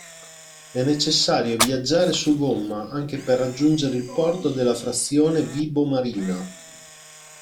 È necessario viaggiare su gomma anche per raggiungere il porto della frazione Vibo Marina.